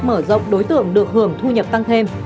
mở rộng đối tượng được hưởng thu nhập tăng thêm